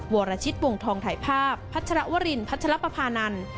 วรชิตวงทองถ่ายภาพพัชรวรินพัชรปภานันทร์